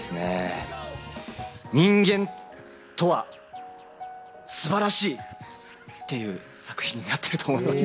人間とは素晴らしい！っていう作品になってると思います。